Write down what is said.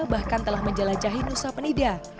bahkan telah menjelajahi nusa penida